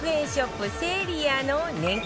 セリアの年間